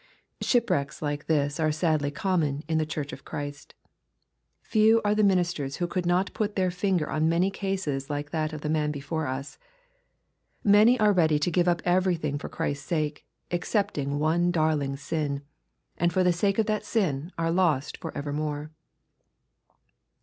Shipwrecks like this are sadly common in the Church of Christ. Few are the ministers who could not put their finger on many cases like that of the man before us. Many are ready to give up everything for Christ's sake, excepting one darling sin, and for the^ sake of that sin are lost for evermore.